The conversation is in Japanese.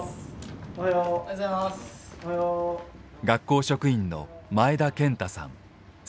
学校職員の前田健太さん